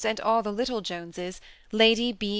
15 and all the little Joneses, Lady B.